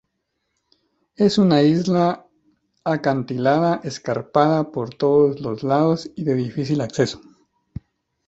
Es una isla acantilada, escarpada por todos los lados y de difícil acceso.